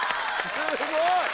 すごい！